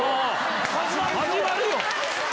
始まるよ！